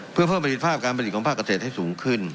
เพื่อเพิ่มประสิทธิภาพการผลิตของภาคเกษตรให้สูงขึ้น